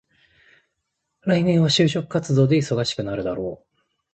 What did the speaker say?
来年は就職活動で忙しくなるだろう。